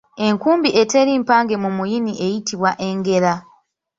Enkumbi eteri mpange mu muyini eyitibwa engera.